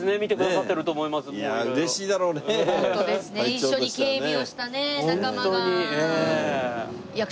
一緒に警備をしたね仲間が。